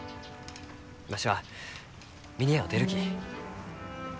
わしは峰屋を出るき。